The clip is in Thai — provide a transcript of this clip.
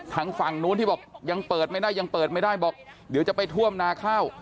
ทางฝั่งนู้นที่บอกยังเปิดไม่ได้ยังเปิดไม่ได้บอกเดี๋ยวจะไปท่วมนาข้าว